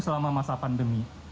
selama masa pandemi